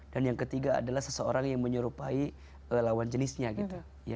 dan yang ketiga adalah seseorang yang menyerupai lawan jenisnya gitu